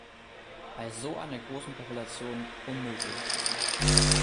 Bei so einer großen Population unmöglich.